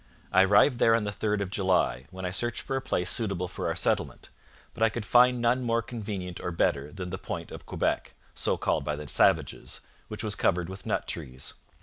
I arrived there on the third of July, when I searched for a place suitable for our settlement, but I could find none more convenient or better than the point of Quebec, so called by the savages, which was covered with nut trees.